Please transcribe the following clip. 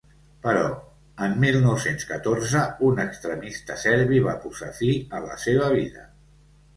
Però, en mil nou-cents catorze, un extremista serbi va posar fi a la seva vida.